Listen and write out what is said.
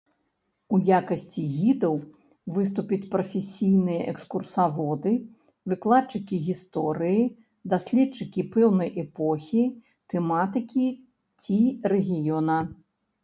У якасці гідаў выступяць прафесійныя экскурсаводы, выкладчыкі гісторыі, даследчыкі пэўнай эпохі, тэматыкі ці рэгіёна.